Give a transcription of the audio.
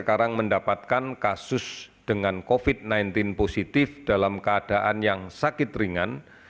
sekarang mendapatkan kasus dengan covid sembilan belas positif dalam keadaan yang sakit ringan